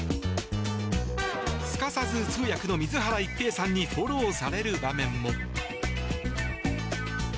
すかさず通訳の水原一平さんにフォローされる場面も。